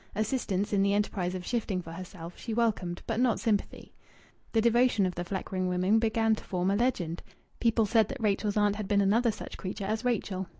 Assistance in the enterprise of shifting for herself she welcomed, but not sympathy. The devotion of the Fleckring women began to form a legend. People said that Rachel's aunt had been another such creature as Rachel.